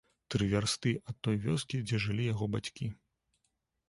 Тры вярсты ад той вёскі, дзе жылі яго бацькі.